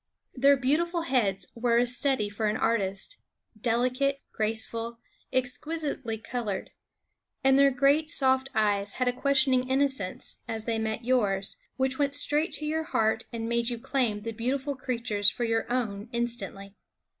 Their beautiful heads were a study for an artist, deli cate, graceful, exqui sitely colored. And v their great soft eyes had a questioning innocence, as they met yours, which went straight to your heart and made you claim the beautiful creatures for your own instantly.